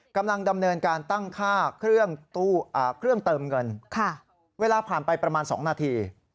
กำลังดำเนินการตั้งค่าเครื่องเติมเงินเวลาผ่านไปประมาณ๒นาที